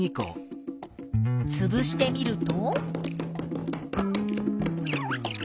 つぶしてみると？